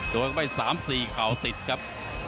โดนเข้าไป๓๔เข่าติดครับ